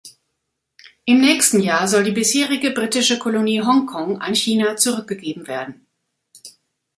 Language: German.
Im nächsten Jahr soll die bisherige britische Kolonie Hongkong an China zurückgegeben werden.